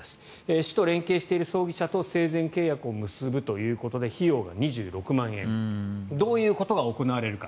市と連携している葬儀社と生前契約を結ぶということで費用が２６万円どういうことが行われるか。